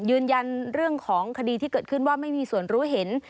ยืนยันเรื่องของคดีที่เกิดขึ้นว่าไม่มีส่วนรู้เห็น